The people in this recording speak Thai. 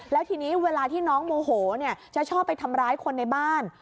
แล้วทีนี้เวลาที่น้องโมโหจะชอบไปทำร้ายคนในบ้าน